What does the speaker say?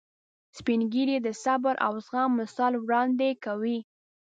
سپین ږیری د صبر او زغم مثال وړاندې کوي